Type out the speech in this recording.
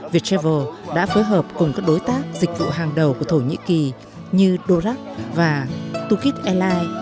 việt travel đã phối hợp cùng các đối tác dịch vụ hàng đầu của thổ nhĩ kỳ như dorak và tukit airlines